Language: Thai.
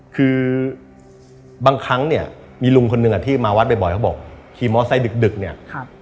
คือบางครั้งเนี่ยมีลุงคนหนึ่งอ่ะที่มาวัดบ่อยเขาบอกขี่มอไซคึกเนี่ย